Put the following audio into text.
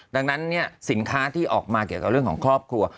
ดังนั้นเนี่ยศิลค้าที่ออกมาการเรื่องของครอบครัว